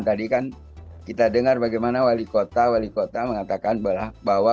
tadi kan kita dengar bagaimana wali kota wali kota mengatakan bahwa